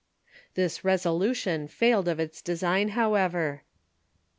This resolution failed of its design, however.